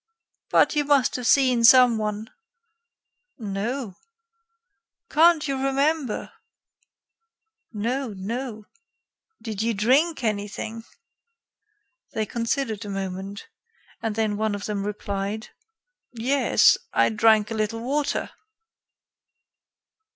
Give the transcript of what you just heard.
"But you must have seen some one?" "No." "Can't you remember?" "No, no." "Did you drink anything?" They considered a moment, and then one of them replied: "Yes, I drank a little water."